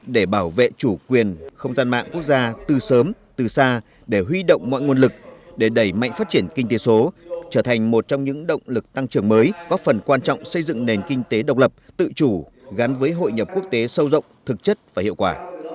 để bảo vệ chủ quyền không gian mạng quốc gia từ sớm từ xa để huy động mọi nguồn lực để đẩy mạnh phát triển kinh tế số trở thành một trong những động lực tăng trưởng mới có phần quan trọng xây dựng nền kinh tế độc lập tự chủ gắn với hội nhập quốc tế sâu rộng thực chất và hiệu quả